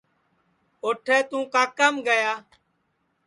اوٹھے تُوں کاکام گیا